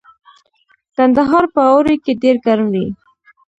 کندهار په اوړي کې ډیر ګرم وي